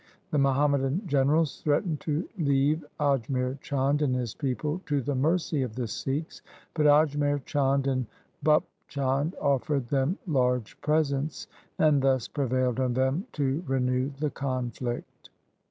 The Muhammadan generals threatened to leave Ajmer Chand and his people to the mercy of the Sikhs, but Ajmer Chand and Bhup Chand offered them large presents, and thus prevailed on them to renew the conflict.